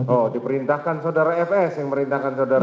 oh diperintahkan saudara fs yang merintahkan saudara